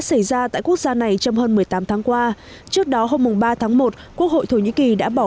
xảy ra tại quốc gia này trong hơn một mươi tám tháng qua trước đó hôm ba tháng một quốc hội thổ nhĩ kỳ đã bỏ